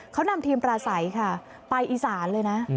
เขานำทีมปลาใสค่ะไปอีสานเลยนะ